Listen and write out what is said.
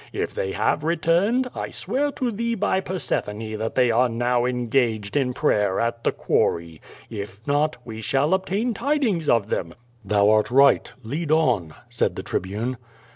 If they have re turned, 1 swear to thee by Persephone that they are now engaged in prayer at the quarry. If not we shall obtain tid ings of them/' "Thou art right. Lead on!" said the Tribune.